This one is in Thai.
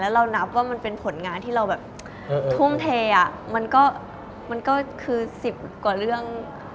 หลังนี้เอง